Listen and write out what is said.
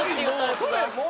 撮れもう！